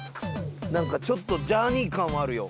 何かちょっとジャーニー感はあるよ